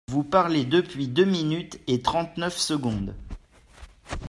Vous parlez depuis deux minutes et trente-neuf secondes.